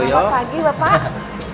selamat pagi bapak